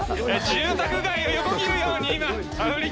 住宅街を横切るように今、アフリ